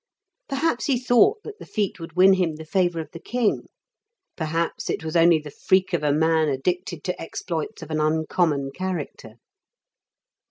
Perhaps he thought that the feat would win him the favour of the king ; perhaps it was only the freak of a man addicted to exploits of an uncommon character.